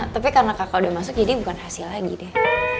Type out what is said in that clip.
tapi karena kakak udah masuk jadi bukan hasil lagi deh